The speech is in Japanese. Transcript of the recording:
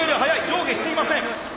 上下していません。